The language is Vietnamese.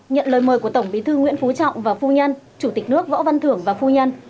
nhận lời mời của tổng bí thư nguyễn phú trọng và phu nhân chủ tịch nước võ văn thưởng và phu nhân